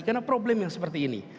karena problem yang seperti ini